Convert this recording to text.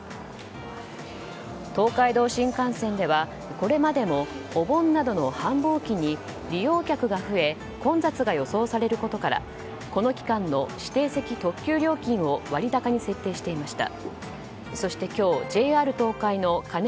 東海道新幹線ではこれまでもお盆などの繁忙期に利用客が増え混雑が予想されることからこの期間の指定席特急料金を割高に設定していました。